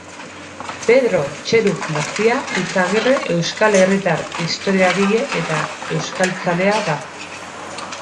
Pedro Txeru García Izagirre euskal herritar historiagile eta euskaltzalea da.